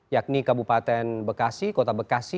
yakni kabupaten bekasi kota bekasi